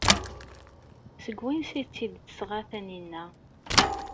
Seg wansi ay tt-id-tesɣa Taninna?